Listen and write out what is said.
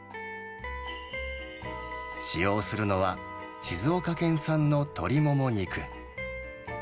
使用するのは、静岡県産の鶏モモ肉。